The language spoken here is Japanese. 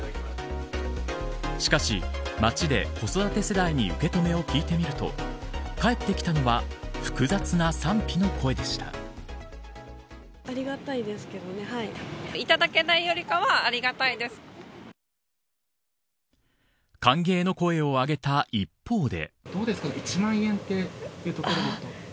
しかし、街で子育て世代に受け止めを聞いてみると返ってきたのは複雑な賛否の声で歓迎の声を上げた一方で。